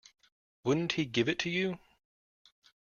Wouldn't he give it to you?